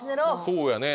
そうやね